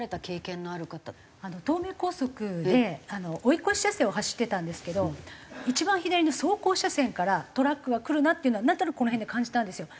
東名高速で追い越し車線を走ってたんですけど一番左の走行車線からトラックが来るなっていうのはなんとなくこの辺で感じたんですよ。